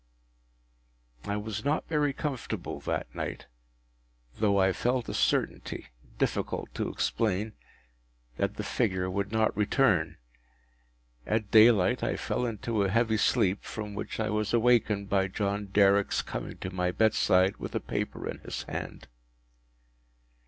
I was not very comfortable that night, though I felt a certainty, difficult to explain, that the figure would not return. At daylight I fell into a heavy sleep, from which I was awakened by John Derrick’s coming to my bedside with a paper in his hand.